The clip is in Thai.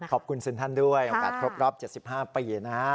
ขอบคุณซึนทันด้วยโอกาสครบรอบ๗๕ปีนะ